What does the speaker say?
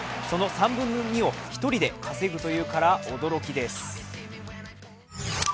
その３分の２を１人で稼ぐというから驚きです。